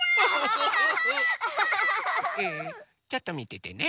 ちょっとみててね。